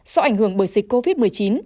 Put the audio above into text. do ảnh hưởng bởi dịch covid một mươi chín